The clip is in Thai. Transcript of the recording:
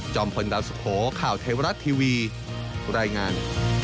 พลดาวสุโขข่าวเทวรัฐทีวีรายงาน